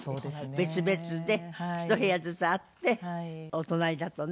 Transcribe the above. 別々で１部屋ずつあってお隣だとね。